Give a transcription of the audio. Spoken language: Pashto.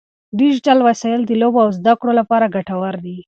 ډیجیټل وسایل د لوبو او زده کړو لپاره ګټور دي.